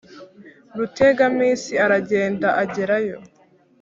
rutegaminsi aragenda ajyerayo,